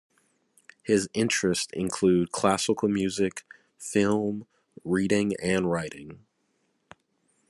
His interests include classical music, film, reading and writing.